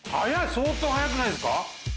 相当早くないですか？